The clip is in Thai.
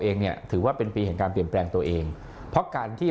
เองเนี่ยถือว่าเป็นปีแห่งการเปลี่ยนแปลงตัวเองเพราะการที่